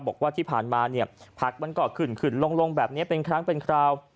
บอกว่าที่ผ่านมาเนี่ยผักมันก็ขึ้นขึ้นลงแบบนี้เป็นครั้งเป็นคราว